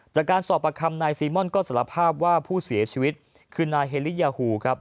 จากการสอบประคำนายซีม่อนก็สารภาพว่าผู้เสียชีวิตคือนายเฮลียาฮูครับ